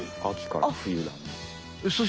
あきから冬だね。